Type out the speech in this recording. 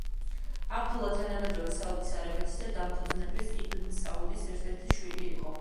აბდულა თანამედროვე საუდის არაბეთის დამფუძნებელის იბნ საუდის ერთ–ერთი შვილი იყო.